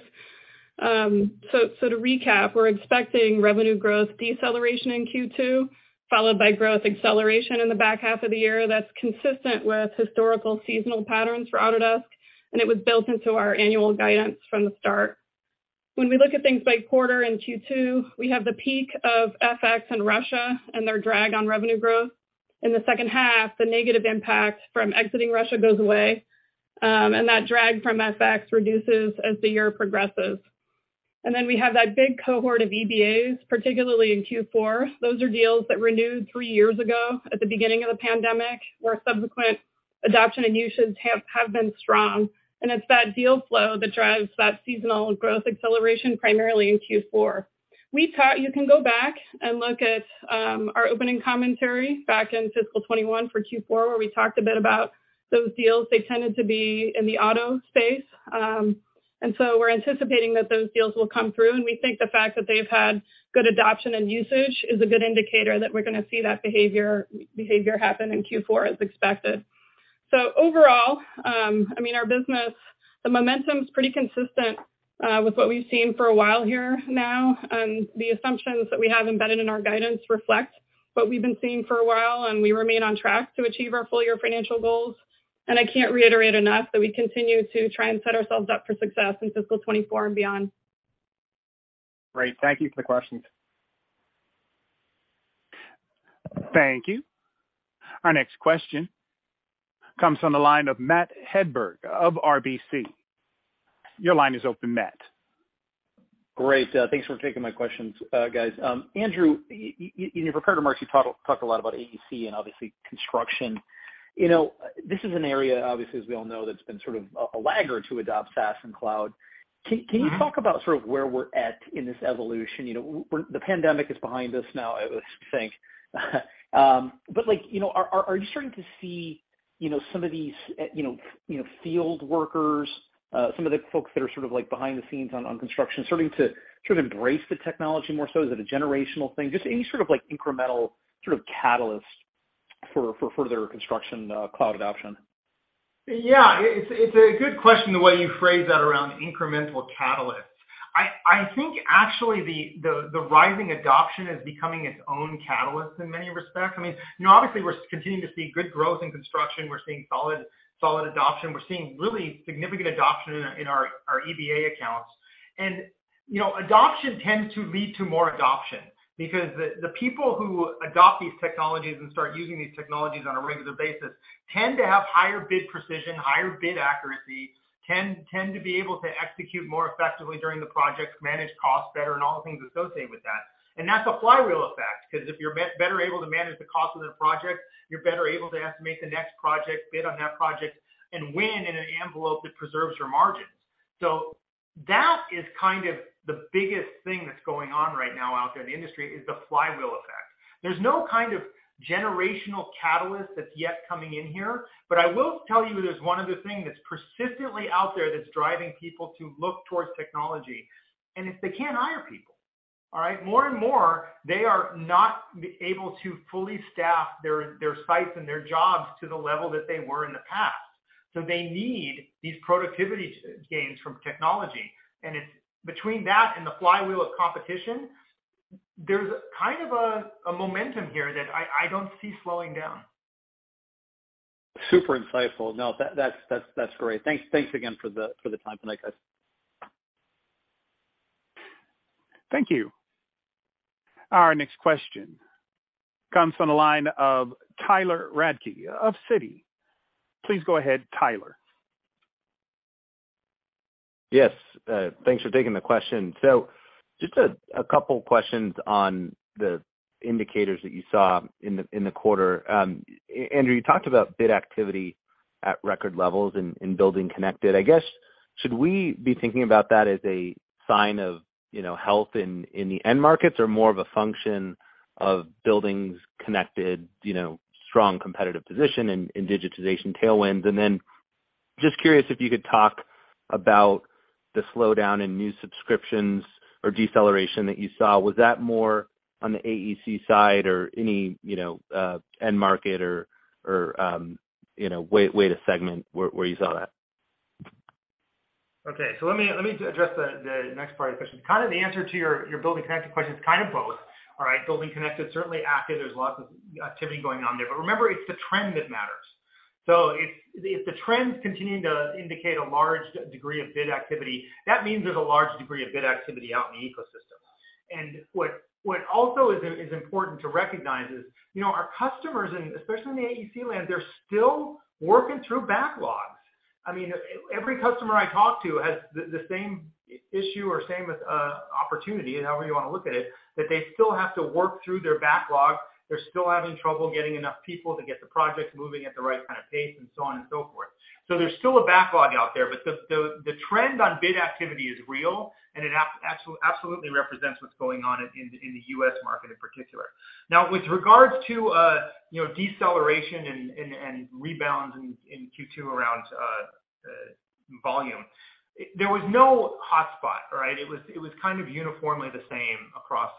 To recap, we're expecting revenue growth deceleration in Q2, followed by growth acceleration in the back half of the year. That's consistent with historical seasonal patterns for Autodesk, and it was built into our annual guidance from the start. When we look at things by quarter in Q2, we have the peak of FX and Russia, and their drag on revenue growth. In the second half, the negative impact from exiting Russia goes away, and that drag from FX reduces as the year progresses. Then we have that big cohort of EBAs, particularly in Q4. Those are deals that renewed three years ago at the beginning of the pandemic, where subsequent adoption and usage have been strong. It's that deal flow that drives that seasonal growth acceleration, primarily in Q4. You can go back and look at our opening commentary back in fiscal 2021 for Q4, where we talked a bit about those deals. They tended to be in the auto space. We're anticipating that those deals will come through, and we think the fact that they've had good adoption and usage is a good indicator that we're going to see that behavior happen in Q4 as expected. Overall, I mean, our business, the momentum is pretty consistent with what we've seen for a while here now. The assumptions that we have embedded in our guidance reflect what we've been seeing for a while, and we remain on track to achieve our full-year financial goals. I can't reiterate enough that we continue to try and set ourselves up for success in fiscal 2024 and beyond. Great. Thank you for the questions. Thank you. Our next question comes on the line of Matt Hedberg of RBC. Your line is open, Matt. Great, thanks for taking my questions, guys. Andrew, in your prepared remarks, you talked a lot about AEC and obviously construction. You know, this is an area, obviously, as we all know, that's been sort of a lagger to adopt SaaS and cloud. Can you talk about sort of where we're at in this evolution? You know, the pandemic is behind us now, I think. But like, you know, are you starting to see, you know, some of these, you know, field workers, some of the folks that are sort of like behind the scenes on construction, starting to sort of embrace the technology more so? Is it a generational thing? Just any sort of like, incremental sort of catalyst for further construction cloud adoption? Yeah, it's a good question, the way you phrase that around incremental catalysts. I think actually the rising adoption is becoming its own catalyst in many respects. I mean, you know, obviously we're continuing to see good growth in construction. We're seeing solid adoption. We're seeing really significant adoption in our EBA accounts. You know, adoption tends to lead to more adoption because the people who adopt these technologies and start using these technologies on a regular basis tend to have higher bid precision, higher bid accuracy, tend to be able to execute more effectively during the project, manage costs better, and all the things associated with that. That's a flywheel effect, because if you're better able to manage the cost of the project, you're better able to estimate the next project, bid on that project, and win in an envelope that preserves your margins. That is kind of the biggest thing that's going on right now out there in the industry, is the flywheel effect. There's no kind of generational catalyst that's yet coming in here, I will tell you there's one other thing that's persistently out there that's driving people to look towards technology, it's they can't hire people. All right? More and more, they are not able to fully staff their sites and their jobs to the level that they were in the past. They need these productivity gains from technology. It's between that and the flywheel of competition, there's kind of a momentum here that I don't see slowing down. Super insightful. No, that's great. Thanks again for the time tonight, guys. Thank you. Our next question comes from the line of Tyler Radke of Citi. Please go ahead, Tyler. Yes, thanks for taking the question. Just a couple questions on the indicators that you saw in the quarter. Andrew, you talked about bid activity at record levels in BuildingConnected. I guess, should we be thinking about that as a sign of, you know, health in the end markets, or more of a function of BuildingConnected, you know, strong competitive position and digitization tailwinds? Just curious if you could talk about the slowdown in new subscriptions or deceleration that you saw, was that more on the AEC side or any, you know, end market or, you know, way to segment where you saw that? Okay. Let me address the next part of your question. Kind of the answer to your BuildingConnected question is kind of both. All right? BuildingConnected, certainly active. There's lots of activity going on there. Remember, it's the trend that matters. If the trends continue to indicate a large degree of bid activity, that means there's a large degree of bid activity out in the ecosystem. What also is important to recognize is, you know, our customers, and especially in the AEC land, they're still working through backlogs. I mean, every customer I talk to has the same issue or same opportunity, however you wanna look at it, that they still have to work through their backlog. They're still having trouble getting enough people to get the projects moving at the right kind of pace and so on and so forth. There's still a backlog out there, but the trend on bid activity is real, and it absolutely represents what's going on in the US market in particular. With regards to, you know, deceleration and rebalance in Q2 around volume, there was no hotspot, right? It was kind of uniformly the same across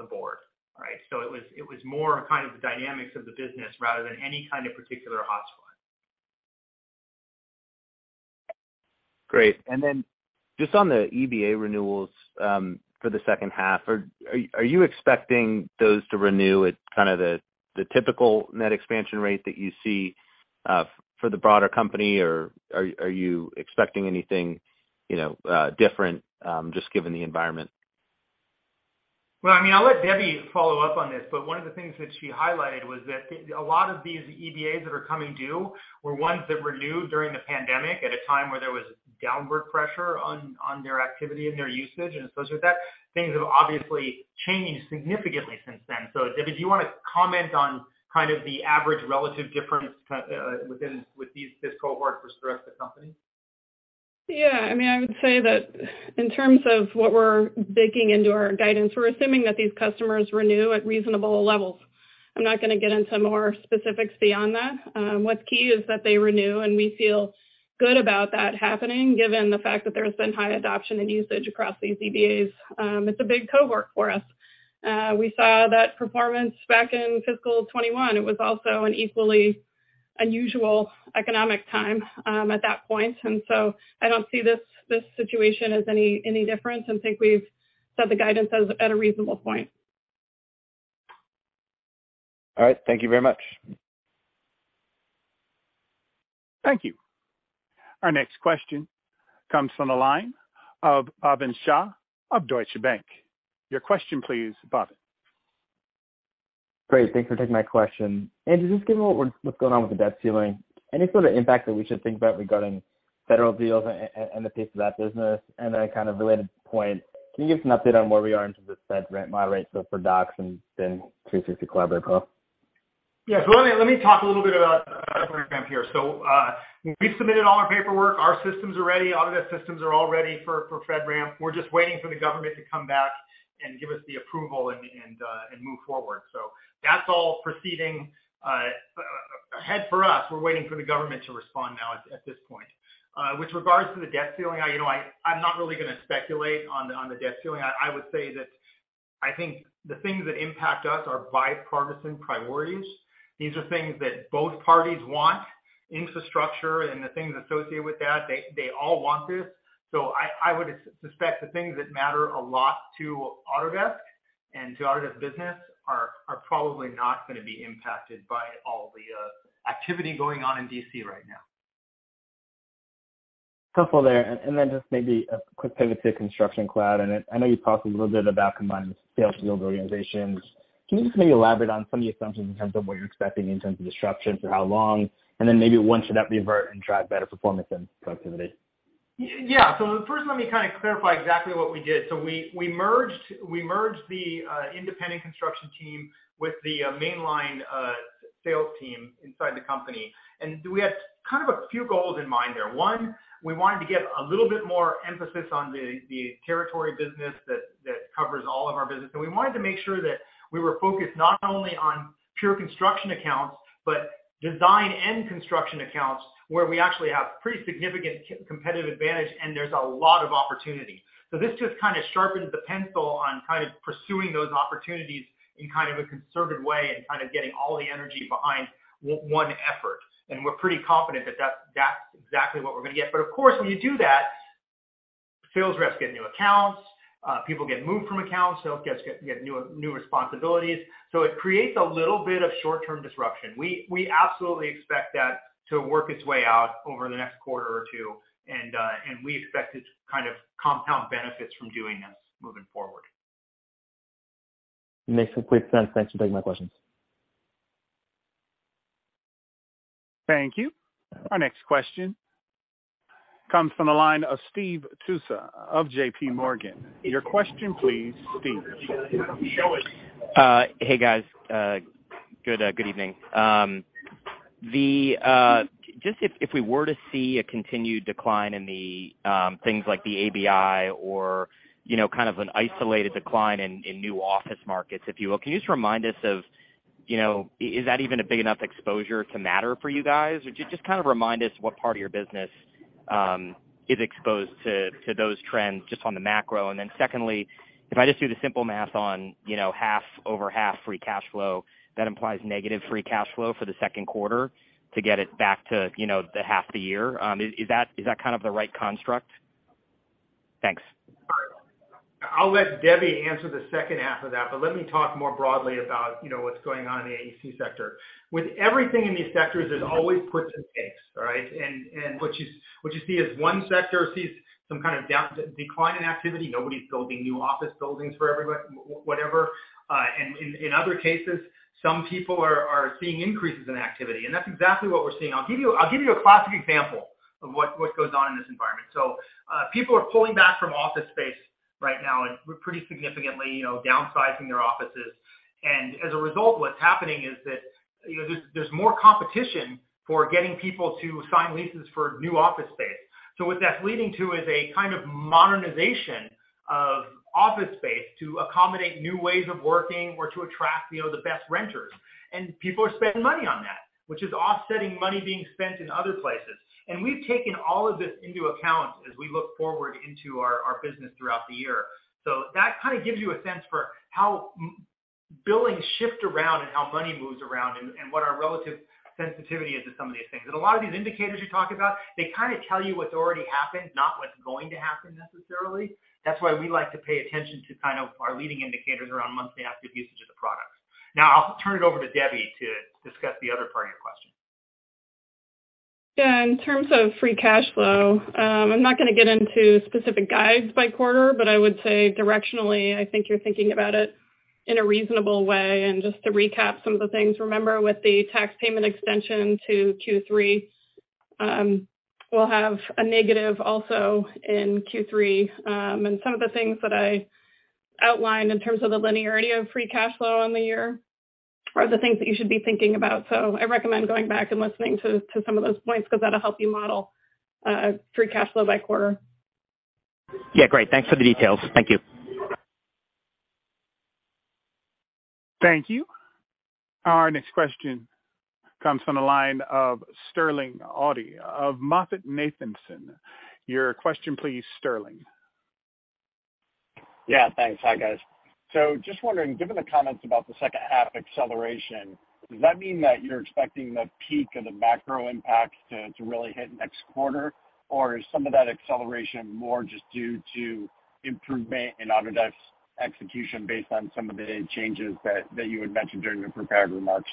the board, right? It was more kind of the dynamics of the business rather than any kind of particular hotspot. Great. Then just on the EBA renewals, for the second half, are you expecting those to renew at kind of the typical net expansion rate that you see, for the broader company, or are you expecting anything, you know, different, just given the environment? Well, I mean, I'll let Debbie follow up on this, but one of the things that she highlighted was that a lot of these EBAs that are coming due were ones that were new during the pandemic, at a time where there was downward pressure on their activity and their usage and associated with that. Things have obviously changed significantly since then. Debbie, do you wanna comment on kind of the average relative difference with this cohort versus the rest of the company? Yeah. I mean, I would say that in terms of what we're baking into our guidance, we're assuming that these customers renew at reasonable levels. I'm not gonna get into more specifics beyond that. What's key is that they renew, and we feel good about that happening, given the fact that there's been high adoption and usage across these EBAs. It's a big cohort for us. We saw that performance back in fiscal 21. It was also an equally unusual economic time at that point. So I don't see this situation as any different, and think we've set the guidance as at a reasonable point. All right. Thank you very much. Thank you. Our next question comes from the line of Bhavin Shah of Deutsche Bank. Your question please, Bhavin. Great. Thanks for taking my question. Andy, just given what's going on with the debt ceiling, any sort of impact that we should think about regarding federal deals and the pace of that business? Then kind of related point, can you give us an update on where we are in terms of FedRAMP moderate, so for Docs and then 360 Collaborate, as well? Yeah. Let me talk a little bit about here. We've submitted all our paperwork. Our systems are ready. Autodesk systems are all ready for FedRAMP. We're just waiting for the government to come back and give us the approval and move forward. That's all proceeding ahead for us. We're waiting for the government to respond now at this point. With regards to the debt ceiling, you know, I'm not really gonna speculate on the debt ceiling. I would say that I think the things that impact us are bipartisan priorities. These are things that both parties want, infrastructure and the things associated with that. They all want this. I would suspect the things that matter a lot to Autodesk and to Autodesk business are probably not gonna be impacted by all the activity going on in D.C. right now. Helpful there. Just maybe a quick pivot to Construction Cloud, and I know you talked a little bit about combining the sales field organizations. Can you just maybe elaborate on some of the assumptions in terms of what you're expecting in terms of disruption, for how long, and then maybe when should that revert and drive better performance and productivity? Yeah. First, let me kind of clarify exactly what we did. We merged the independent construction team with the mainline sales team inside the company. We had kind of a few goals in mind there. One, we wanted to get a little bit more emphasis on the territory business that covers all of our business. We wanted to make sure that we were focused not only on pure construction accounts, but design and construction accounts, where we actually have pretty significant competitive advantage, and there's a lot of opportunity. This just kind of sharpened the pencil on kind of pursuing those opportunities in kind of a concerted way and kind of getting all the energy behind one effort. We're pretty confident that that's exactly what we're gonna get. Of course, when you do that, sales reps get new accounts, people get moved from accounts, sales get new responsibilities. It creates a little bit of short-term disruption. We absolutely expect that to work its way out over the next quarter or two, and we expect it to kind of compound benefits from doing this moving forward. Makes complete sense. Thanks for taking my questions. Thank you. Our next question comes from the line of Steve Tusa of JPMorgan. Your question please, Steve. Hey, guys. Good evening. Just if we were to see a continued decline in the things like the ABI or, you know, kind of an isolated decline in new office markets, if you will, can you just remind us of, you know, is that even a big enough exposure to matter for you guys? Would you just kind of remind us what part of your business is exposed to those trends, just on the macro? Secondly, if I just do the simple math on, you know, half over half free cash flow, that implies negative free cash flow for the Q2 to get it back to, you know, the half the year. Is that kind of the right construct? Thanks. I'll let Debbie answer the second half of that, but let me talk more broadly about, you know, what's going on in the AEC sector. With everything in these sectors, there's always puts and takes, all right? What you see is one sector sees some kind of decline in activity. Nobody's building new office buildings for whatever. And in other cases, some people are seeing increases in activity, and that's exactly what we're seeing. I'll give you a classic example of what goes on in this environment. People are pulling back from office space right now, and pretty significantly, you know, downsizing their offices. As a result, what's happening is that, you know, there's more competition for getting people to sign leases for new office space. What that's leading to is a kind of modernization of office space to accommodate new ways of working or to attract, you know, the best renters. People are spending money on that, which is offsetting money being spent in other places. We've taken all of this into account as we look forward into our business throughout the year. That kind of gives you a sense for how billings shift around and how money moves around and what our relative sensitivity is to some of these things. A lot of these indicators you talk about, they kind of tell you what's already happened, not what's going to happen necessarily. That's why we like to pay attention to kind of our leading indicators around monthly active usage of the products. Now, I'll turn it over to Debbie to discuss the other part of your question. Yeah, in terms of free cash flow, I'm not gonna get into specific guides by quarter, but I would say directionally, I think you're thinking about it in a reasonable way. Just to recap some of the things, remember, with the tax payment extension to Q3, we'll have a negative also in Q3. Some of the things that I outlined in terms of the linearity of free cash flow on the year are the things that you should be thinking about. I recommend going back and listening to some of those points, because that'll help you model free cash flow by quarter. Yeah, great. Thanks for the details. Thank you. Thank you. Our next question comes from the line of Sterling Auty of MoffettNathanson. Your question, please, Sterling. Yeah, thanks. Hi, guys. Just wondering, given the comments about the second half acceleration, does that mean that you're expecting the peak of the macro impact to really hit next quarter? Or is some of that acceleration more just due to improvement in Autodesk's execution based on some of the changes that you had mentioned during the prepared remarks?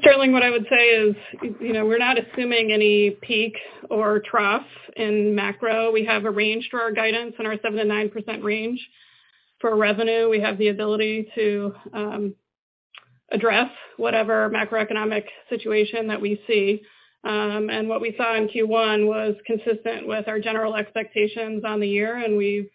Sterling, what I would say is, you know, we're not assuming any peak or trough in macro. We have a range for our guidance in our 7%-9% range. For revenue, we have the ability to address whatever macroeconomic situation that we see. What we saw in Q1 was consistent with our general expectations on the year, and we've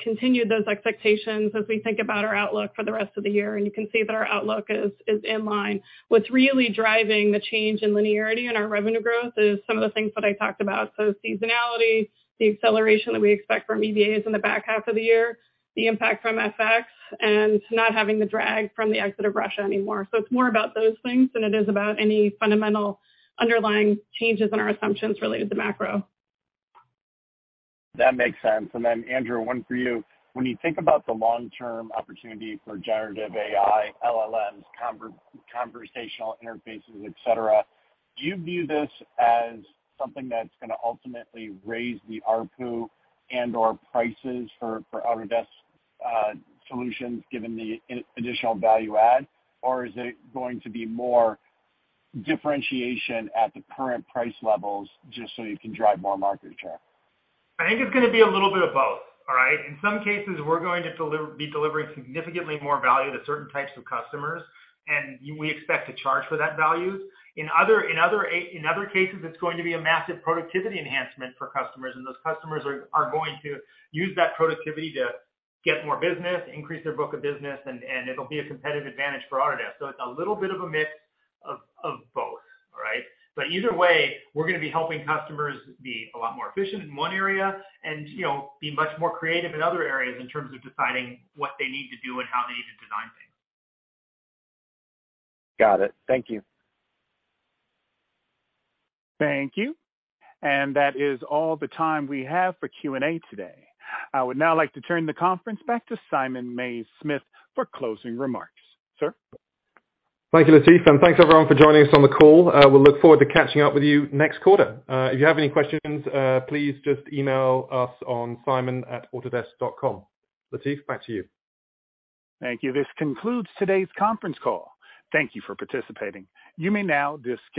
continued those expectations as we think about our outlook for the rest of the year. You can see that our outlook is in line. What's really driving the change in linearity in our revenue growth is some of the things that I talked about. Seasonality, the acceleration that we expect from EVAs in the back half of the year, the impact from FX, and not having the drag from the exit of Russia anymore. It's more about those things than it is about any fundamental underlying changes in our assumptions related to macro. That makes sense. Andrew, one for you. When you think about the long-term opportunity for generative AI, LLMs, conversational interfaces, et cetera, do you view this as something that's gonna ultimately raise the ARPU and/or prices for Autodesk solutions, given the additional value add? Or is it going to be more differentiation at the current price levels just so you can drive more market share? I think it's gonna be a little bit of both, all right? In some cases, we're going to be delivering significantly more value to certain types of customers, and we expect to charge for that value. In other cases, it's going to be a massive productivity enhancement for customers, and those customers are going to use that productivity to get more business, increase their book of business, and it'll be a competitive advantage for Autodesk. It's a little bit of a mix of both, all right? Either way, we're gonna be helping customers be a lot more efficient in one area and, you know, be much more creative in other areas in terms of deciding what they need to do and how they need to design things. Got it. Thank you. Thank you. That is all the time we have for Q&A today. I would now like to turn the conference back to Simon Mays-Smith for closing remarks. Sir? Thank you, Latif, and thanks, everyone, for joining us on the call. We'll look forward to catching up with you next quarter. If you have any questions, please just email us on simon@autodesk.com. Latif, back to you. Thank you. This concludes today's conference call. Thank you for participating. You may now disconnect.